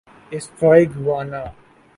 استوائی Guyana